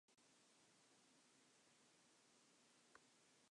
Single flowers occur in dense clusters in May to mid-June or August.